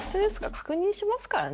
確認しますからね。